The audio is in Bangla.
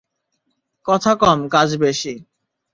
কথা কম, কাজ বেশি।